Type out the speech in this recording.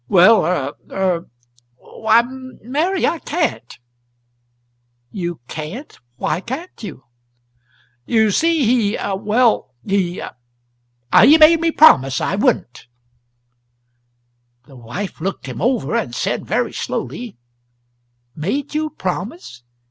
"Well er er Why, Mary, I can't!" "You can't? Why can't you?" "You see, he well, he he made me promise I wouldn't." The wife looked him over, and said, very slowly: "Made you promise?